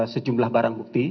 sejumlah barang bukti